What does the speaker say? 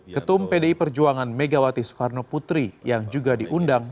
ketum pdi perjuangan megawati soekarno putri yang juga diundang